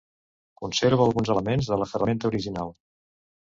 Conserva alguns elements de la ferramenta original.